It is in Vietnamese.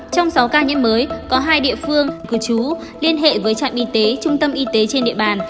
trong sáu ca nhiễm mới có hai địa phương cư trú liên hệ với trạm y tế trung tâm y tế trên địa bàn